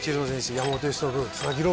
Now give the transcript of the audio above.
山本由伸佐々木朗